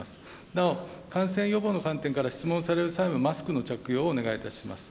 なお、感染予防の観点から、質問される際は、マスクの着用をお願いいたします。